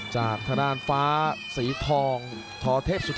จากทดาลฟ้าสีทองทอเทพสุธิน